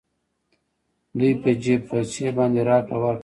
دوی په جېب خرچې باندې راکړه ورکړه کوي